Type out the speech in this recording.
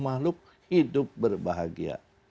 semua makhluk hidup berbahagia